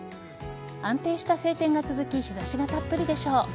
安定した晴天が続き日差しがたっぷりでしょう。